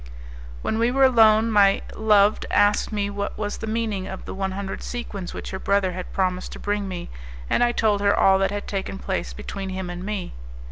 When we were alone my loved asked me what was the meaning of the one hundred sequins which her brother had promised to bring me, and I told her all that had taken place between him and me.